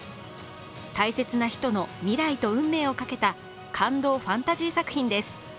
大切な人の未来と運命をかけた感動ファンタジー作品です。